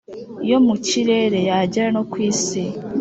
yo mu kirere, yagera no kw isi